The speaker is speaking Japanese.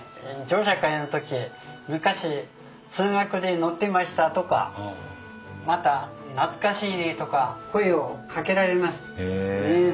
乗車会の時「昔通学で乗っていました」とかまた「懐かしいね」とか声をかけられますね。